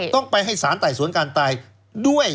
ต้องไปให้สารไต่สวนการตายด้วย